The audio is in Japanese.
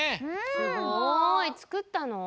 すごい！つくったの？